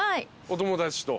お友達と？